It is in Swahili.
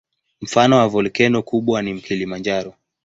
Mfano wa volkeno kubwa ni Kilimanjaro.